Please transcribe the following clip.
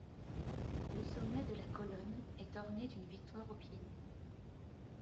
Le sommet de la colonne est orné d'une victoire aux pieds nus.